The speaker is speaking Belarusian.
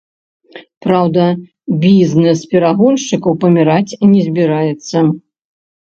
Праўда, бізнэс перагоншчыкаў паміраць не збіраецца.